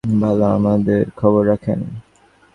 হেমনলিনী হাসিয়া কহিল, তবু ভালো, আমাদের খবর রাখেন!